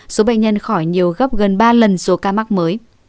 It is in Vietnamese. số bệnh nhân khỏi nhiều gấp gần ba lần số ca mắc mới